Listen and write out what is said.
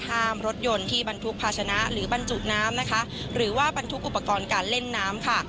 ห้ามรถยนต์ที่บรรทุกภาชนะหรือบรรจุน้ำนะคะหรือว่าบรรทุกอุปกรณ์การเล่นน้ำค่ะ